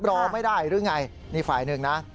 รอไม่ได้หรือไงนี่ฝ่ายหนึ่งนะ